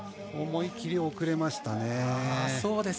思い切り遅れましたね。